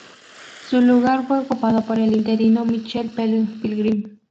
Su lugar fue ocupado por el interino Michael Pilgrim.